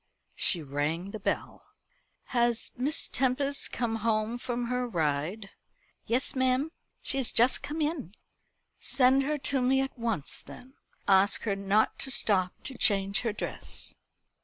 She rang the bell. "Has Miss Tempest come home from her ride?" "Yes, ma'am. She has just come in." "Send her to me at once then. Ask her not to stop to change her dress."